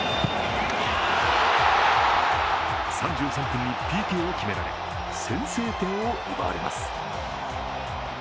３３分にＰＫを決められ先制点を奪われます。